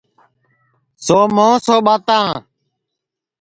سو مُہو سو ٻاتاں